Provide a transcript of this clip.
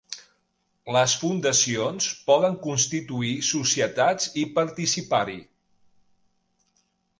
Les fundacions poden constituir societats i participar-hi.